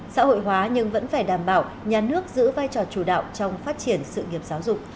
xã hội hóa nhưng vẫn phải đảm bảo nhà nước giữ vai trò chủ đạo trong phát triển sự nghiệp giáo dục